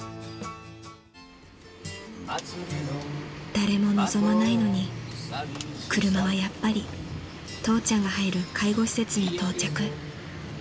［誰も望まないのに車はやっぱり父ちゃんが入る介護施設に到着］